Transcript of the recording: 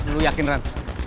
lu yakin run